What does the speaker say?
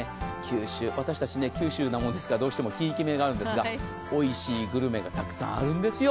私たち、九州なものですからどうしてもひいき目があるんですが、おいしいグルメがたくさんあるんですよ。